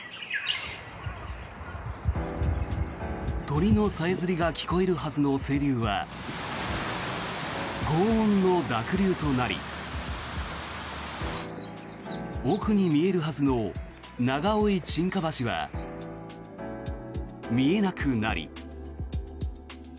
鳥のさえずりが聞こえるはずの清流はごう音の濁流となり奥に見えるはずの長生沈下橋は見えなくなり。